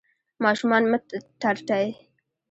ماشومان مه ترټئ.